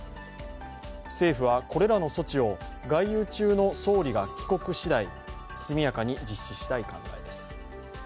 政府はこれらの措置を外遊中の総理が帰国しだい速やかに実施したい考えです。